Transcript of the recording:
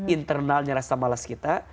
internalnya rasa malas kita